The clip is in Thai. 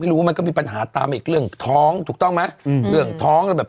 เราเคยติดตามค่านี้แล้ว